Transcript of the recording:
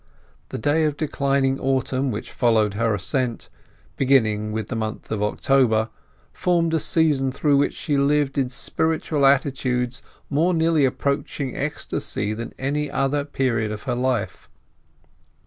The days of declining autumn which followed her assent, beginning with the month of October, formed a season through which she lived in spiritual altitudes more nearly approaching ecstasy than any other period of her life.